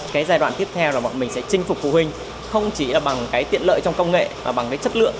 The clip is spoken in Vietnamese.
cái giai đoạn tiếp theo là bọn mình sẽ chinh phục phụ huynh không chỉ là bằng cái tiện lợi trong công nghệ mà bằng cái chất lượng